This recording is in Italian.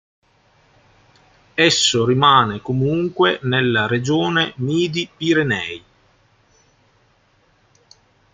Esso rimane comunque nella regione Midi-Pirenei.